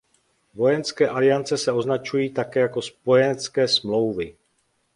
Vojenské aliance se označují také jako spojenecké smlouvy.